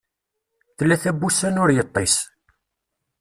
Tlata n wussan ur yeṭṭis.